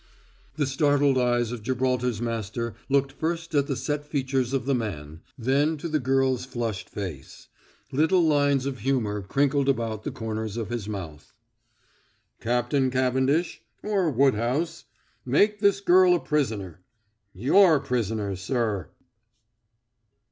The startled eyes of Gibraltar's master looked first at the set features of the man, then to the girl's flushed face. Little lines of humor crinkled about the corners of his mouth. "Captain Cavendish or Woodhouse, make this girl a prisoner your prisoner, sir!"